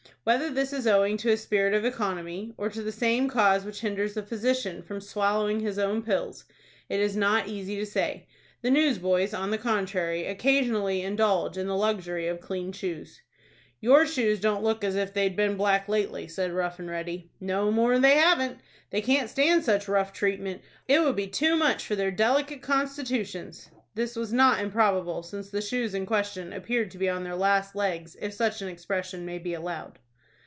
Whether this is owing to a spirit of economy, or to the same cause which hinders a physician from swallowing his own pills, it is not easy to say. The newsboys, on the contrary, occasionally indulge in the luxury of clean shoes. "Your shoes don't look as if they'd been blacked lately," said Rough and Ready. "No more they haven't. They can't stand such rough treatment. It would be too much for their delicate constitutions." This was not improbable, since the shoes in question appeared to be on their last legs, if such an expression may be allowed.